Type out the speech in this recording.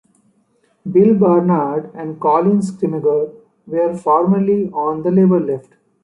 Bill Barnard and Colin Scrimgeour were formerly on the Labour left.